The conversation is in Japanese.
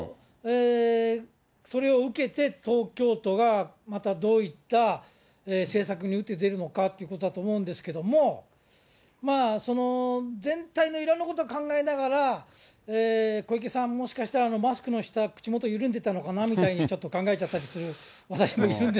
それを受けて東京都が、またどういった政策に打って出るのかということだと思うんですけども、全体のいろんなことを考えながら、小池さん、もしかしたらマスクの下、口元緩んでたのかなって、ちょっと考えちゃったりする私もいるん